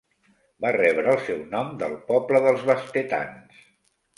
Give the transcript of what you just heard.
Va rebre el seu nom del poble dels bastetans.